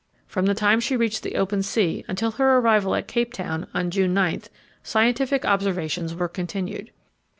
From the time she reached the open sea until her arrival at Cape Town on June 9, scientific observations were continued.